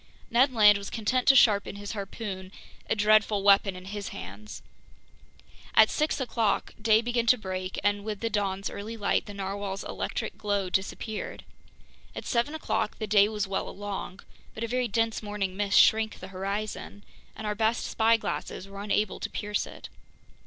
Ned Land was content to sharpen his harpoon, a dreadful weapon in his hands. At six o'clock day began to break, and with the dawn's early light, the narwhale's electric glow disappeared. At seven o'clock the day was well along, but a very dense morning mist shrank the horizon, and our best spyglasses were unable to pierce it.